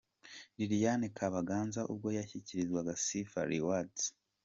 Liliane Kabaganza ubwo yashyikirizwaga Sifa Rewards.